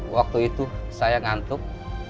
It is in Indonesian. waktu itu saya ngantuk